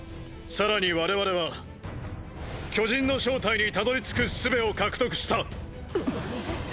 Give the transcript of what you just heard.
更に我々は巨人の正体にたどりつく術を獲得した！